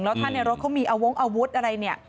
แล้วถ้าในรถเขามีอาวงอาวุธอะไรเนี่ย